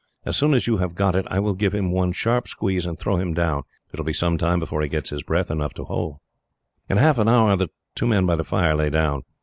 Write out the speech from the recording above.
As soon as you have got it, I will give him one sharp squeeze, and throw him down. It will be some time before he gets breath enough to holloa." In half an hour, the two men by the fire lay down.